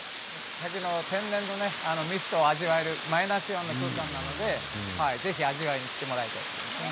滝の天然のミストを味わえるマイナスイオンなのでぜひ味わいに来ていただきたいですね。